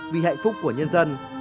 vì hạnh phúc của nhân dân